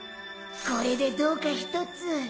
これでどうか一つ。